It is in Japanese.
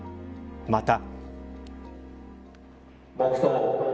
また。